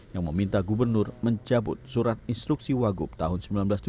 yang meminta gubernur mencabut surat instruksi wagub tahun seribu sembilan ratus tujuh puluh